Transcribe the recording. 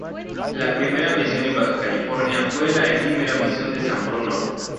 La primera misión en Baja California fue la efímera Misión de San Bruno.